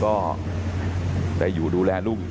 กระดิ่งเสียงเรียกว่าเด็กน้อยจุดประดิ่ง